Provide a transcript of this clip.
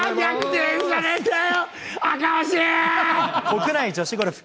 国内女子ゴルフ。